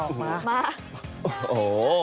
โอ้โฮ